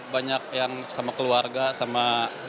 banyak yang sama keluarga sama